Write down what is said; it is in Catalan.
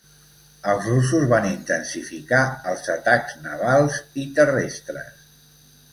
Els russos van intensificar els atacs navals i terrestres.